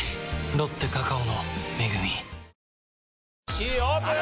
Ｃオープン！